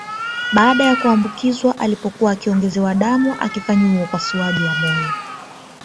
Baada ya kuambukizwa alipokuwa akiongezewa damu akifanyiwa upasuaji wa moyo